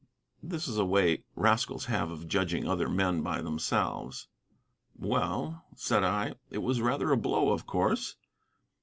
This is a way rascals have of judging other men by themselves. "Well;" said I, "it was rather a blow, of course."